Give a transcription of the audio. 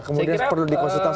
kemudian perlu dikonsultasikan